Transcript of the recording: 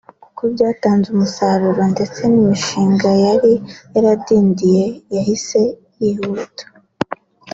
kuko byatanze umusaruro ndetse n’imishinga yari yaradindindiye yahise yihuta